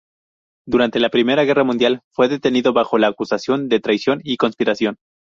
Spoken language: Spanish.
Durante la Primera Guerra Mundial, fue detenido bajo la acusación de traición y conspiración.